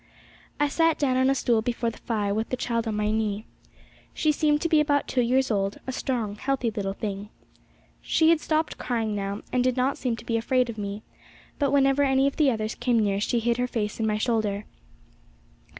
I sat down on a stool before the fire, with the child on my knee. She seemed to be about two years old, a strong, healthy little thing. She had stopped crying now, and did not seem to be afraid of me; but whenever any of the others came near she hid her face in my shoulder.